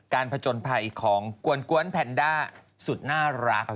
การผจญภัยของกวนกว้นแพนด้าสุดน่ารัก